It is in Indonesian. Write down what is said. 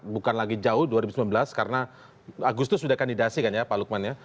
bukan lagi jauh dua ribu sembilan belas karena agustus sudah kandidasi kan ya pak lukman ya